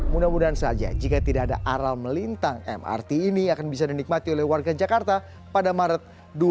mudah mudahan saja jika tidak ada aral melintang mrt ini akan bisa dinikmati oleh warga jakarta pada maret dua ribu dua puluh